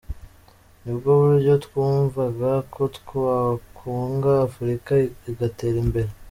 Ni bwo buryo twumvaga ko twakunga Afurika igatera imbere.